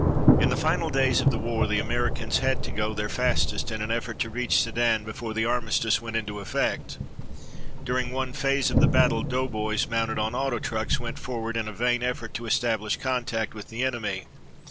In the final days of the war the Americans had to go their fastest in an effort to reach Sedan before the armistice went into effect. During one phase of the battle doughboys mounted on auto trucks went forward in a vain effort to establish contact with the enemy.